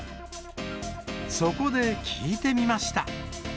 そこで、聞いてみました。